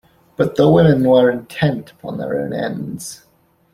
But the women were intent upon their own ends.